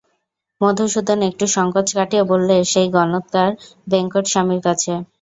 মধুসূদন একটু সংকোচ কাটিয়ে বললে, সেই গনৎকার বেঙ্কটস্বামীর কাছে।